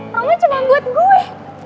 roman cuma buat gue